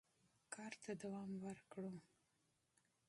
کار ته دوام ورکړو.